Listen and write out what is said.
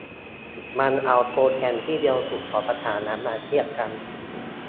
มันเอาโปรแกรมที่เร็วสุดของภาษานั้นมาเทียบกัน